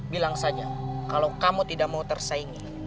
bilang saja kalau kamu tidak mau tersaingi